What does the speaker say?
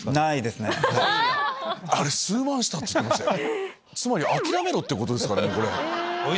あれ数万したって言ってましたよ。